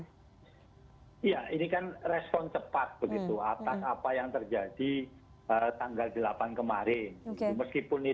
iya ini kan respon cepat begitu atas apa yang terjadi tanggal delapan kemarin